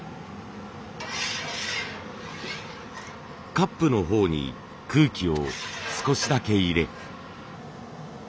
カップの方に空気を少しだけ入れ。